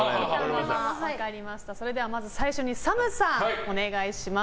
まず、最初にＳＡＭさんお願いします。